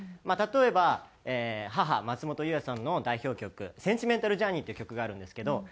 まあ例えば母松本伊代さんの代表曲『センチメンタル・ジャーニー』っていう曲があるんですけど。